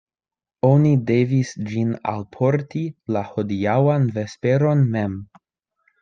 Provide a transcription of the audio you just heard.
Oni devis ĝin alporti la hodiaŭan vesperon mem.